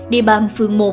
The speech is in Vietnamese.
địa bàn phường một